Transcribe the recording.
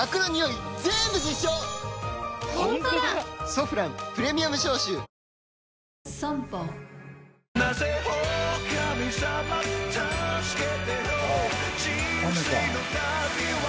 「ソフランプレミアム消臭」あ雨か。